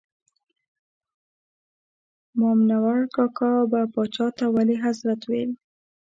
مامنور کاکا به پاچا ته ولي حضرت ویل.